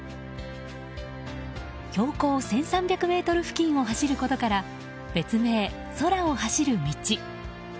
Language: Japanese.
標高１３００ｍ付近を走ることから別名・空を走る道。